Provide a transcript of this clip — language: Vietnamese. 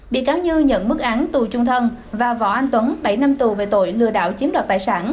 bị cáo như nhận bức án tù trung thân và võ anh tuấn bảy năm tù về tội lừa đảo chiếm đoạt tài sản